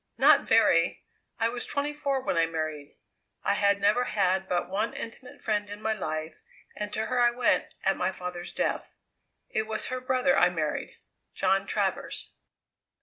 "Not very. I was twenty four when I married. I had never had but one intimate friend in my life, and to her I went at my father's death. It was her brother I married John Travers."